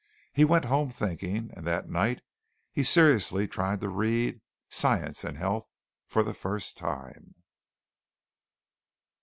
He went home thinking, and that night he seriously tried to read "Science and Health" for the first time.